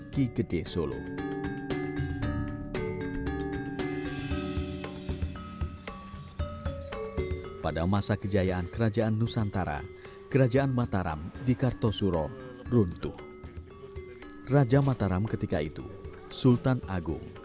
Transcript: kisah kisah yang terjadi di jawa tengah